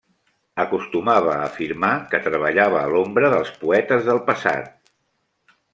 Acostumava a afirmar que treballava a l'ombra dels poetes del passat.